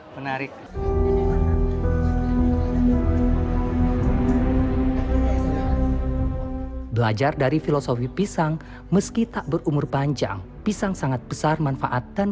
menarik belajar dari filosofi pisang meski tak berumur panjang pisang sangat besar manfaat dan